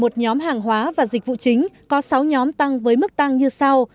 theo đó trong một mươi một nhóm hàng hóa và dịch vụ chính có sáu nhóm tăng với mức tăng như sau